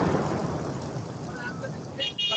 মাঝে মাঝে আমি আসব, উপদেশ নিয়ে যাব আপনার।